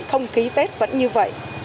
vẫn khí tết vẫn như vậy